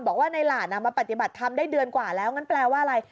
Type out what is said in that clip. บอกว่าในหลานมาปฏิบัติธรรมได้เดือนกว่าแล้วงั้นแปลว่าอะไร